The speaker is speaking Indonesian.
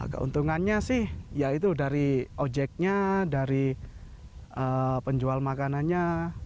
keuntungannya sih yaitu dari ojeknya dari penjual makanannya